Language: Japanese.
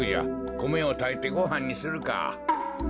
こめをたいてごはんにするか。